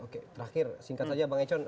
oke terakhir singkat saja bang econ